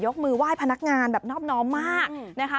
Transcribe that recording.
มือไหว้พนักงานแบบนอบน้อมมากนะคะ